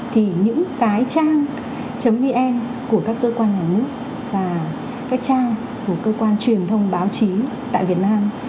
thì những cái trang vn của các cơ quan nhà nước và các trang của cơ quan truyền thông báo chí tại việt nam